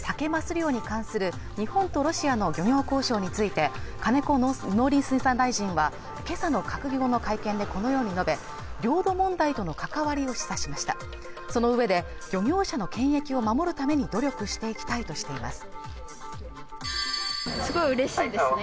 漁に関する日本とロシアの漁業交渉について金子農林水産大臣はけさの閣議後の会見でこのように述べ領土問題との関わりを示唆しましたそのうえで漁業者の権益を守るために努力していきたいとしています